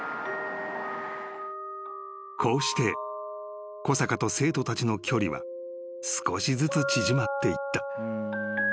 ［こうして小坂と生徒たちの距離は少しずつ縮まっていった］